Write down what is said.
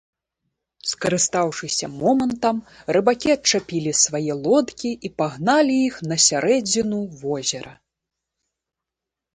Скарыстаўшыся момантам, рыбакі адчапілі свае лодкі і пагналі іх на сярэдзіну возера.